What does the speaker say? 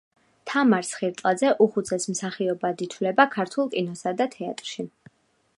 თამარ სხირტლაძე უხუცეს მსახიობად ითვლება ქართულ კინოსა და თეატრში.